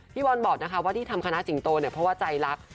พี่บอลบอกนะคะว่าที่ทำคณะสิงโตเนี่ยเพราะว่าใจรัก